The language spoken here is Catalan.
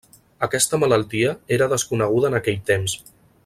Aquesta malaltia era desconeguda en aquell temps.